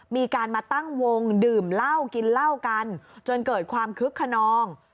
มีการมาตั้งวงดื่มเหล้ากินเหล้ากันจนเกิดความคึกขนอง